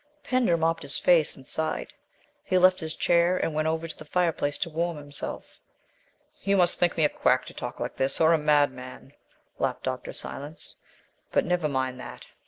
Pender mopped his face and sighed. He left his chair and went over to the fireplace to warm himself. "You must think me a quack to talk like this, or a madman," laughed Dr. Silence. "But never mind that.